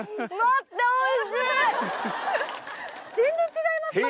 全然違います